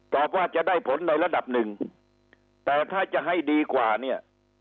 ว่าจะได้ผลในระดับหนึ่งแต่ถ้าจะให้ดีกว่าเนี่ย